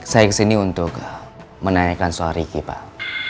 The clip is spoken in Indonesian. saya kesini untuk menanyakan soal ricky pak